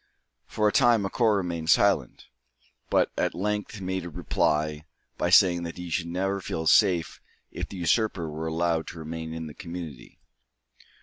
For a time Macora remained silent, but at length made reply, by saying that he should never feel safe if the usurper were allowed to remain in the community.